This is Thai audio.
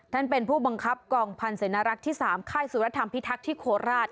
ท่านเป็นผู้บังคับกองพันธ์เสนรักษ์ที่๓ค่ายสุรธรรมพิทักษ์ที่โคราช